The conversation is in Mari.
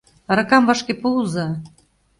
Аракам вашке пуыза!